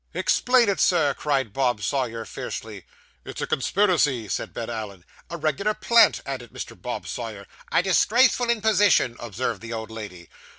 'Explain it, sir!' cried Bob Sawyer fiercely. 'It's a conspiracy,' said Ben Allen. 'A regular plant,' added Mr. Bob Sawyer. 'A disgraceful imposition,' observed the old lady.